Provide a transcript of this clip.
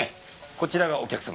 こちらがお客様。